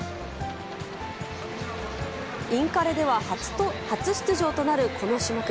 インカレでは初出場となるこの種目。